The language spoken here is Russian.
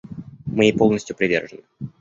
Мы ей полностью привержены.